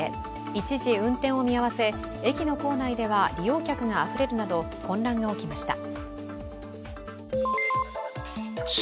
一時運転を見合わせ、駅の構内では利用客があふれるなど混乱が起きました。